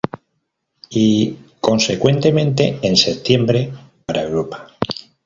Y consecuentemente en septiembre para Europa.